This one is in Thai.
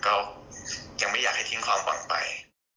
ก็ยังไม่อยากให้ทิ้งความปลอดภัย